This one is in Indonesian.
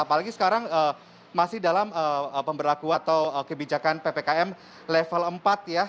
apalagi sekarang masih dalam pemberlakuan atau kebijakan ppkm level empat ya